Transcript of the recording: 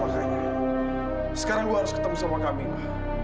makanya sekarang gue harus ketemu sama camilla